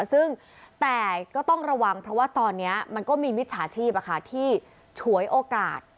ซึ่งแต่ก็ต้องระวังเพราะว่าตอนนี้มันก็มีมิจฉาชีพที่ฉวยโอกาส